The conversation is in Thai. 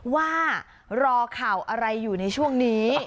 ว่ารอข่าวอะไรอยู่ในช่วงนี้